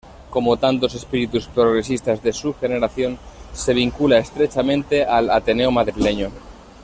Como tantos espíritus progresistas de su generación, se vincula estrechamente al Ateneo madrileño.